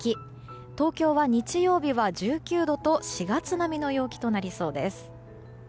東京は日曜日は１９度と４月並みの陽気となりそうです。